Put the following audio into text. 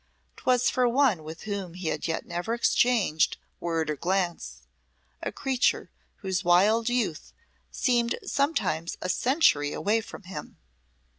'Twas for one with whom he had yet never exchanged word or glance, a creature whose wild youth seemed sometimes a century away from him.